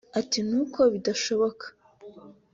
Ati “Ni uko bidashoboka